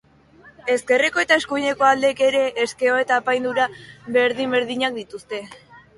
Ezkerreko eta eskuineko aldeek ere eskema eta apaindura berdin-berdinak dituzte.